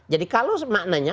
jadi kalau maknanya